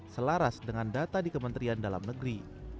selaras dengan data di kementerian dalam negeri